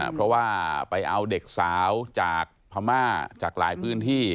เพราะว่าไปเอาเด็กสาวจากพม่าจากหลายพื้นที่